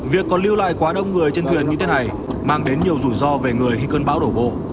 việc còn lưu lại quá đông người trên thuyền như thế này mang đến nhiều rủi ro về người khi cơn bão đổ bộ